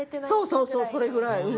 そうそうそうそれぐらい。